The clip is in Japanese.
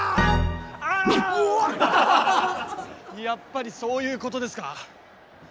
やっぱりそういうことですか？